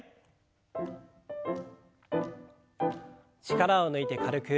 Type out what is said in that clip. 力を抜いて軽く。